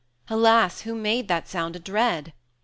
Alas! who made That sound a dread?